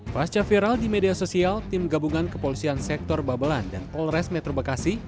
pasca viral di media sosial tim gabungan kepolisian sektor babelan dan polres metro bekasi